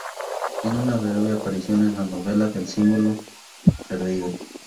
Tiene una breve aparición en la novela El símbolo perdido